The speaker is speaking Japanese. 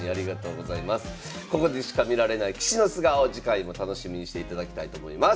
ここでしか見られない棋士の素顔次回も楽しみにしていただきたいと思います。